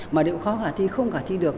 mà điều khó khả thi không khả thi được